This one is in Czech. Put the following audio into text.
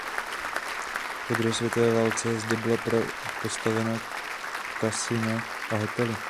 Po druhé světové válce zde byla postavena kasina a hotely.